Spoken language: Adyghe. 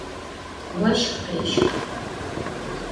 Voşsu khêxı.